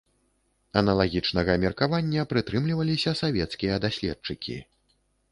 Аналагічнага меркавання прытрымліваліся савецкія даследчыкі.